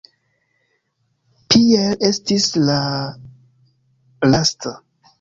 Pier estis la lasta.